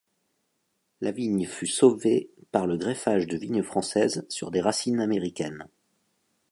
La vigne fut sauvée par le greffage de vigne françaises sur des racines américaines.